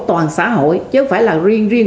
toàn xã hội chứ không phải là riêng